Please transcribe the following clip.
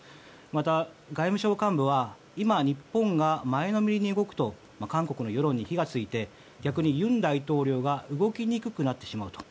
また、外務省幹部は今、日本が前のめりに動くと韓国の世論に火が付いて逆に尹大統領が動きにくくなってしまうと。